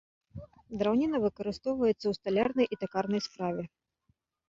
Драўніна выкарыстоўваецца ў сталярнай і такарнай справе.